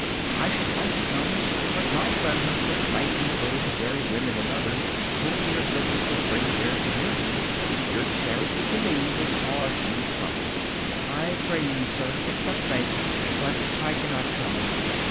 'I should like to come, but my presence would frighten away the dairy women and others whom your goodness would bring there to hear you. Your charity to me would cause you trouble. I pray you, sir, accept thanks, but I cannot come.